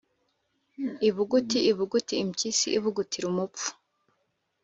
Ibuguti ibuguti-Impyisi ibugutira umupfu.